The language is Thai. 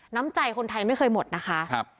น้ำใจคนไทยไม่เคยหมดนะคะ